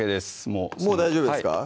もうもう大丈夫ですか？